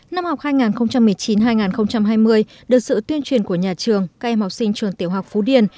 năm học hai nghìn một mươi chín hai nghìn hai mươi được sự tuyên truyền của nhà trường các em học sinh trường tiểu học phú điền